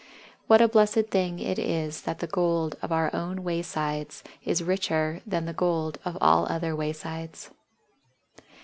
What a blessed thing it is that the gold of our own waysides is richer than the gold of all other waysides!